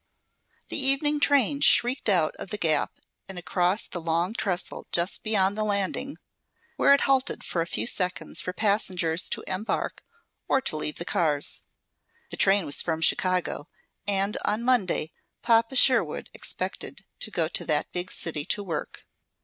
The evening train shrieked out of the gap and across the long trestle just beyond the landing, where it halted for a few seconds for passengers to embark or to leave the cars. This train was from Chicago, and on Monday Papa Sherwood expected to go to that big city to work.